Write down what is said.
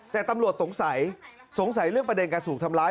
แต่ตำรวจสงสัยสงสัยเรื่องประเด็นการถูกทำร้าย